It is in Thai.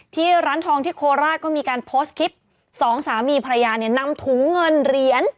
ที่ร้านทองที่โคราชก็มีการโพสต์คลิปสองสามีภรรยาเนี่ยนำถุงเงินเหรียญ